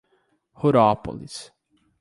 Rurópolis